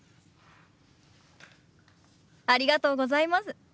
ありがとうございます。